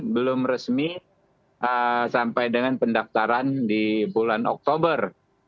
belum resmi sampai dengan pendaftaran di bulan oktober